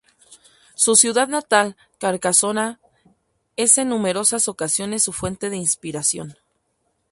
Su ciudad natal, Carcasona, es en numerosas ocasiones su fuente de inspiración.